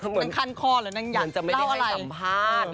นางคันคอหรือนางหยัดเล่าอะไรเหมือนจะไม่ได้ให้สัมภาษณ์